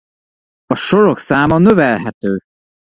A sorok száma növelhető.